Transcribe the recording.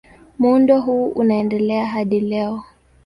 Muundo huu unaendelea hadi leo.